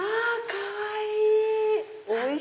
かわいい！